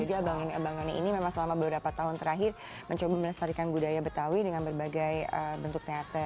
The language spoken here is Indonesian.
jadi abang lone ini memang selama beberapa tahun terakhir mencoba menestarikan budaya betawi dengan berbagai bentuk teater